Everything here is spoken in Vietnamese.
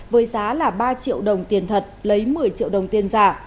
với giá là ba triệu đồng tiền thật lấy một mươi triệu đồng tiền giả